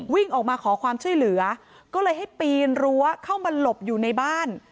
วิ่งออกมาขอความช่วยเหลือก็เลยให้ปีนรั้วเข้ามาหลบอยู่ในบ้าน